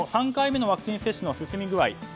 ３回目のワクチン接種の進み具合。